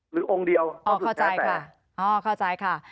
หรือองค์เดียวต้องสุดแท้แต่อ๋อเข้าใจค่ะ